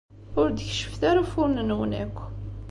Ur d-keccfet ara ufuren-nwen akk.